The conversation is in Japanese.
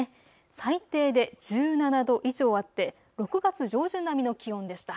最低で１７度以上あって６月上旬並みの気温でした。